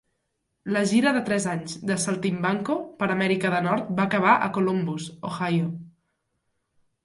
La gira de tres anys de 'Saltimbanco' per Amèrica de Nord va acabar a Columbus, Ohio.